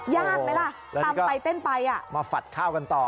ยากไหมล่ะตำไปเต้นไปอ่ะมาฝัดข้าวกันต่อ